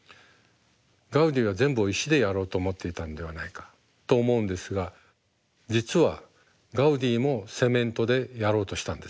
ガウディは全部を石でやろうと思っていたんではないかと思うんですが実はガウディもセメントでやろうとしたんです。